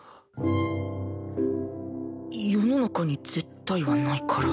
世の中に「絶対」はないから。